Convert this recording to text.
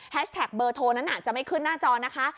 แท็กเบอร์โทรนั้นจะไม่ขึ้นหน้าจอนะคะ